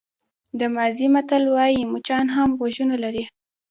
د مازی متل وایي مچان هم غوږونه لري.